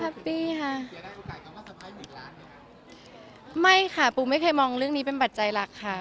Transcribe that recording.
ฮัปปี้ค่ะไม่ค่ะปูไม่เคยมองเรื่องนี้เป็นบัตรใจหลักค่ะ